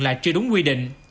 là chưa đúng quy định